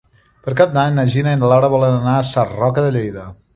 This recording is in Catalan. Per Cap d'Any na Gina i na Laura volen anar a Sarroca de Lleida.